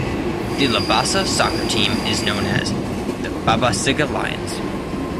The Labasa soccer team is known as the "Babasiga Lions".